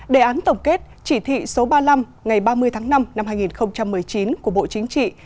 đề án tổng kết chỉ thị số ba mươi năm ngày ba mươi tháng năm năm hai nghìn một mươi chín của bộ chính trị